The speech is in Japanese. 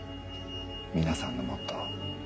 皆さんのモットー。